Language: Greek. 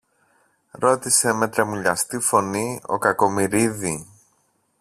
ρώτησε με τρεμουλιαστή φωνή ο Κακομοιρίδη